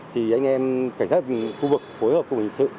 thì anh em cảnh sát khu vực phối hợp cùng hình sự